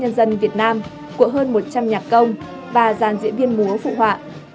đoàn nhạc cảnh sát nhân dân việt nam của hơn một trăm linh nhạc công và giàn diễn viên múa phụ họa